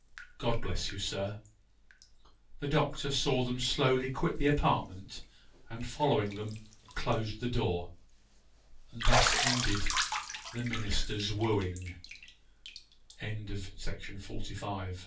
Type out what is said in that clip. God bless you, sir!' The Doctor saw them slowly quit the apartment, and following them, closed the door, and thus ended THE MINISTER'S WOOI